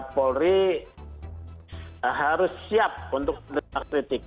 polri harus siap untuk menerima kritik